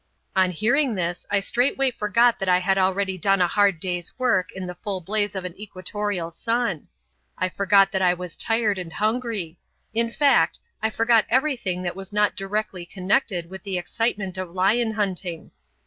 On hearing this I straightway forgot that I had already done a hard day's work in the full blaze of an equatorial sun; I forgot that I was tired and hungry; in fact, I forgot everything that was not directly connected with the excitement of lion hunting.